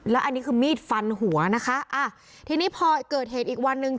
แล้วอันนี้คือมีดฟันหัวนะคะอ่าทีนี้พอเกิดเหตุอีกวันหนึ่ง